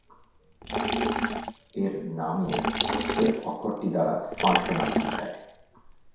এর নামে এফ অক্ষরটি দ্বারা ফাংশনাল বুঝায়।